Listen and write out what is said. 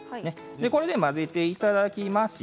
これで混ぜていただきます。